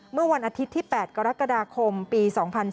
เมื่อวันอาทิตย์ที่๘กรกฎาคมปี๒๔